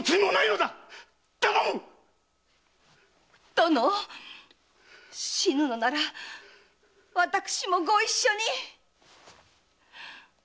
殿死ぬのなら私もご一緒に！